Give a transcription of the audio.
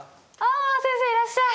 あ先生いらっしゃい！